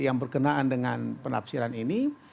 yang berkenaan dengan penafsiran ini